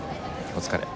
お疲れ。